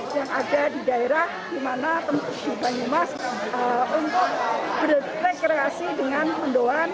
yang ada di daerah di mana di banyumas untuk berrekreasi dengan mendoan